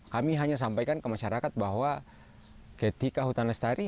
kami hanya sampaikan ke masyarakat bahwa ketika hutan lestari